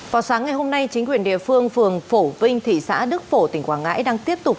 vào sáng ngày hôm nay chính quyền địa phương phường phổ vinh thị xã đức phổ tỉnh quảng ngãi đang tiếp tục